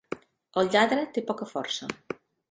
El lladre té poca força.